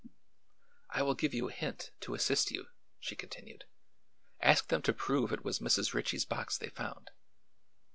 "I will give you a hint, to assist you," she continued. "Ask them to prove it was Mrs. Ritchie's box they found."